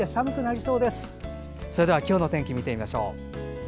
それでは今日の天気見てみましょう。